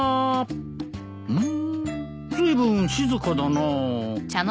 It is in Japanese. ずいぶん静かだな。